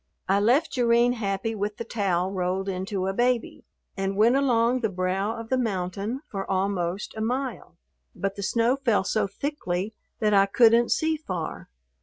I left Jerrine happy with the towel rolled into a baby, and went along the brow of the mountain for almost a mile, but the snow fell so thickly that I couldn't see far.